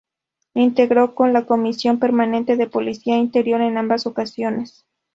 Integró en la Comisión permanente de Policía Interior en ambas ocasiones.